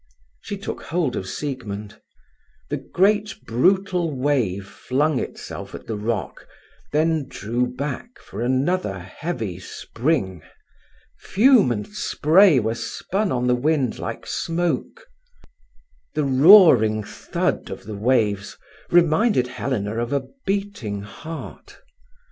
She took hold of Siegmund. The great, brutal wave flung itself at the rock, then drew back for another heavy spring. Fume and spray were spun on the wind like smoke. The roaring thud of the waves reminded Helena of a beating heart.